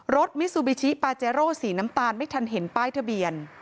มิซูบิชิปาเจโร่สีน้ำตาลไม่ทันเห็นป้ายทะเบียน